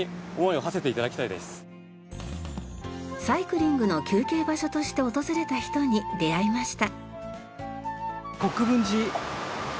サイクリングの休憩場所として訪れた人に出会いました。